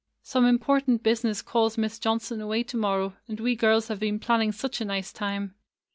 ''Some important business calls Miss Johnson away to morrow, and we girls have been planning such a nice time.